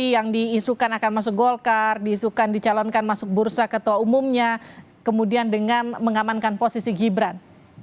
yang diisukan akan masuk golkar diisukan dicalonkan masuk bursa ketua umumnya kemudian dengan mengamankan posisi gibran